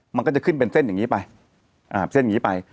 มันก็จะขึ้นเป็นเส้นอย่างนี้ไป